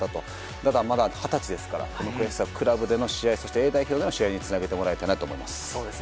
ただ、まだ二十歳ですからこの悔しさをクラブでの試合そしてＡ代表での試合につなげてもらいたいなと思います。